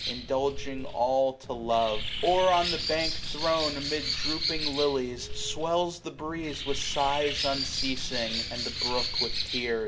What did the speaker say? Indulging all to love : Or on the bank . Thrown, amid drooping lilies, swells the breeze With sighs unceasing, and the brook with tears.